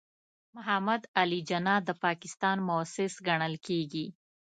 محمد علي جناح د پاکستان مؤسس ګڼل کېږي.